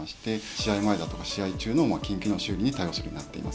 試合前だとか試合中の緊急の修理に対応するようになっています。